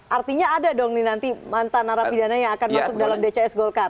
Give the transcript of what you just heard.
artinya ada dong nih nanti mantan narapidana yang akan masuk dalam dcs golkar